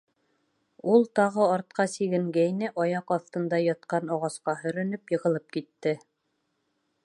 Ул тағы артҡа сигенгәйне, аяҡ аҫтында ятҡан ағасҡа һөрөнөп йығылып китте.